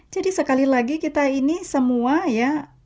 jadi sekali lagi kita ini semua ya